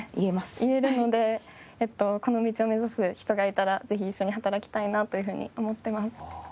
言えるのでこの道を目指す人がいたらぜひ一緒に働きたいなというふうに思っています。